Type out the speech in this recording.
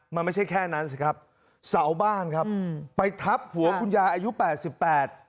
มันไม่ใช่แค่นั้นสิครับเสาบ้านครับอืมไปทับหัวคุณยายอายุแปดสิบแปด